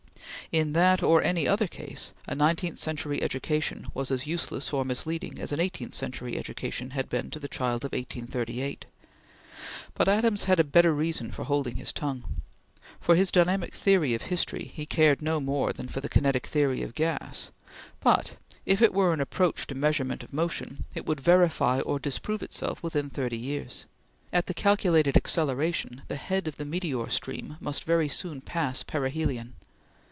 In that, or any other case, a nineteenth century education was as useless or misleading as an eighteenth century education had been to the child of 1838; but Adams had a better reason for holding his tongue. For his dynamic theory of history he cared no more than for the kinetic theory of gas; but, if it were an approach to measurement of motion, it would verify or disprove itself within thirty years. At the calculated acceleration, the head of the meteor stream must very soon pass perihelion.